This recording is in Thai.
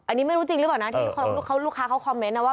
อันนี้ไม่รู้จริงหรือเปล่านะที่ลูกค้าเขาคอมเมนต์นะว่า